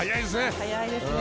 早いですね。